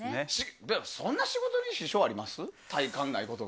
そんな、仕事に支障あります？